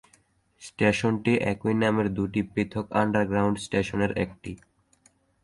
স্টেশনটি একই নামের দুটি পৃথক আন্ডারগ্রাউন্ড স্টেশনের একটি।